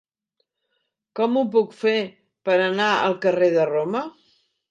Com ho puc fer per anar al carrer de Roma?